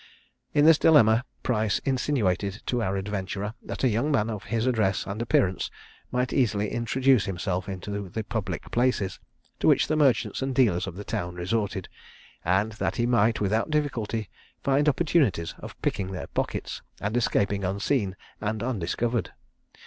In this dilemma, Price insinuated to our adventurer that a young man of his address and appearance might easily introduce himself into the public places, to which the merchants and dealers of the town resorted, and that he might, without difficulty, find opportunities of picking their pockets, and escaping unseen and undiscovered.